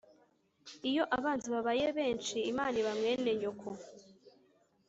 Iyo abanzi babaye benshi Imana iba mwene nyoko.